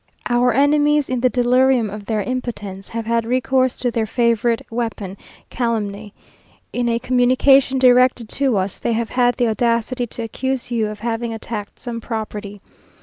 Our enemies, in the delirium of their impotence, have had recourse to their favourite weapon, calumny. In a communication directed to us, they have had the audacity to accuse you of having attacked some property.